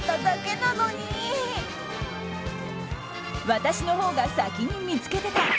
私のほうが先に見つけてた！